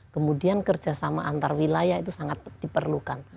kemudian kerjasama antar wilayah itu sangat diperlukan